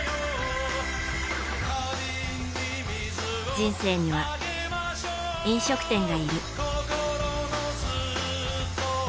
人生には、飲食店がいる。